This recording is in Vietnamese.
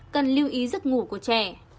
tám cần lưu ý giấc ngủ của trẻ